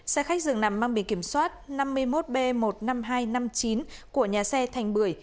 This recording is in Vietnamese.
xe khách dường nằm mang biển kiểm soát năm mươi một b một mươi năm nghìn hai trăm năm mươi chín của nhà xe thành bưởi